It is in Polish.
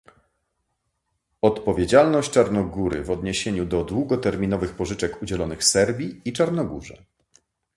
Odpowiedzialność Czarnogóry w odniesieniu do długoterminowych pożyczek udzielonych Serbii i Czarnogórze